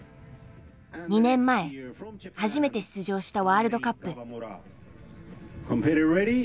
２年前初めて出場したワールドカップ。